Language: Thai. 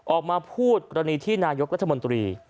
ออกมาพูดกรณีที่นายกรัฐมนตรี